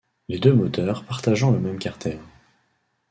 Les deux moteurs partageant le même carter.